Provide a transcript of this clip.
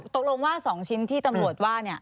ตกลงว่า๒ชิ้นที่ตำรวจว่าเนี่ย